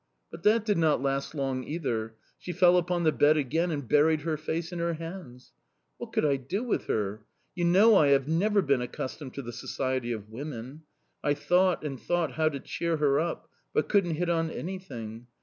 But that did not last long either; she fell upon the bed again and buried her face in her hands. "What could I do with her? You know I have never been accustomed to the society of women. I thought and thought how to cheer her up, but couldn't hit on anything.